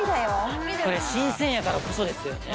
これ新鮮やからこそですよね。